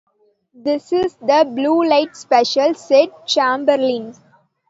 "This is the blue light special", said Chamberlin.